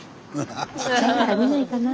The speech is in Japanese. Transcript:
ちっちゃいなら見ないかな。